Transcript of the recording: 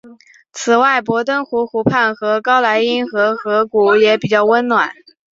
此外博登湖湖畔和高莱茵河河谷也比较温暖。